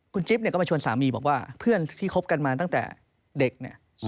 คุณจิ๊บเนี่ยก็มาชวนสามีบอกว่าเพื่อนที่คบกันมาตั้งแต่เด็กเนี่ย